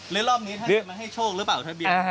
แล้วรอบนี้ท่านมาให้โชคหรือเปล่าทะเบียน